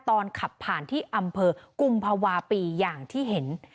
ขับผ่านที่อำเภอกุมภาวะปีอย่างที่เห็น